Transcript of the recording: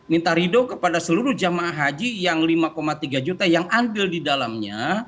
minta ridoh kepada seluruh jamaah haji yang lima tiga juta yang andil didalamnya